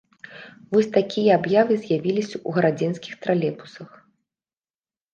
Вось такія аб'явы з'явіліся ў гарадзенскіх тралейбусах.